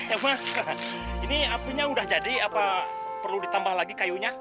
ya mas ini apinya udah jadi apa perlu ditambah lagi kayunya